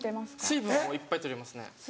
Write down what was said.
水分もいっぱい取りますね。